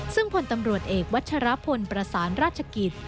ซึ่งผลตำรวจเอกวัชรพลประสานราชกิจ